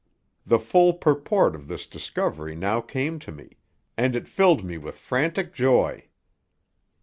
The full purport of this discovery now came to me, and it filled me with frantic joy.